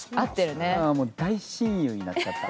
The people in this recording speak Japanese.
もう大親友になっちゃった。